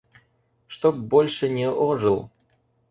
Чтоб больше не ожил.